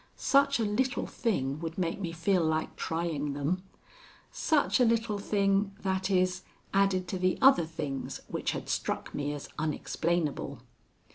Such a little thing would make me feel like trying them. Such a little thing that is, added to the other things which had struck me as unexplainable.